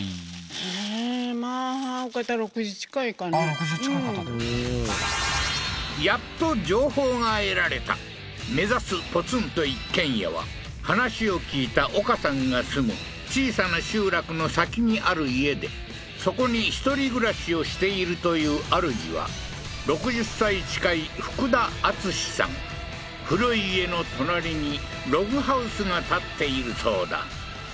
６０近い方でやっと情報が得られた目指すポツンと一軒家は話を聞いた岡さんが住む小さな集落の先にある家でそこに１人暮らしをしているというあるじは６０歳近いフクダアツシさん古い家の隣にログハウスが建っているそうだええー？